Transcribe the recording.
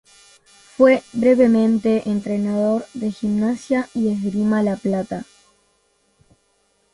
Fue brevemente entrenador de Gimnasia y Esgrima La Plata.